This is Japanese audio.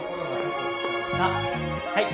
はい。